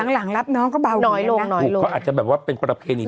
หลังรับน้องก็เบาอย่างงี้นะน้อยลงน้อยลงเขาอาจจะแบบว่าเป็นกระดับเทนียม